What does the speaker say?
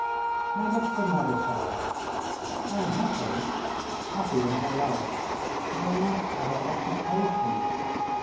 Now look at another side. I am happy, happy in her love, but I must have occupation.